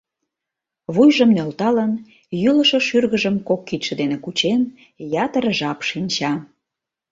Вуйжым нӧлталын, йӱлышӧ шӱргыжым кок кидше дене кучен, ятыр жап шинча.